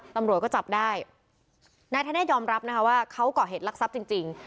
ตำรวจก็จับได้นายธเนธยอมรับนะคะว่าเขาก่อเหตุลักษัพจริงจริง